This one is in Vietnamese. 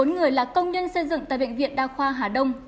bốn người là công nhân xây dựng tại bệnh viện đa khoa hà đông